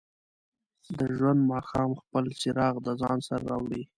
د ژوند ماښام خپل څراغ د ځان سره راوړي.